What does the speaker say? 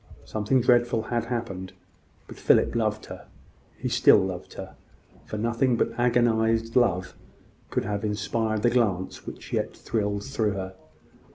Something dreadful had happened: but Philip loved her: he still loved her for nothing but agonised love could have inspired the glance which yet thrilled through her.